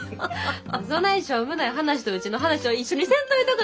そないしょうむない話とうちの話を一緒にせんといとくなはれ。